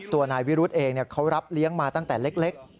นายวิรุธเองเขารับเลี้ยงมาตั้งแต่เล็ก